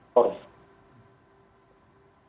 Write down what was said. terima kasih pak samuel